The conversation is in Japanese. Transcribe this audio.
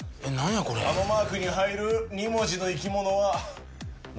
あのマークに入る２文字の生き物は何だ？